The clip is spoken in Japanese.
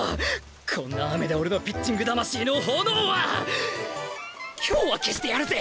こんな雨で俺のピッチング魂の炎は今日は消してやるぜ！